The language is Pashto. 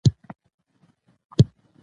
چي هیڅکله به د دین او وطن خلاف عمل تر نه کړم